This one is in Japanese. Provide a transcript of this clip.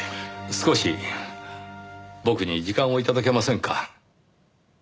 少し僕に時間を頂けませんか？